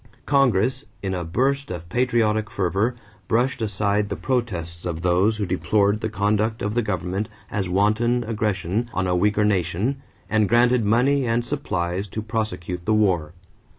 Congress, in a burst of patriotic fervor, brushed aside the protests of those who deplored the conduct of the government as wanton aggression on a weaker nation and granted money and supplies to prosecute the war.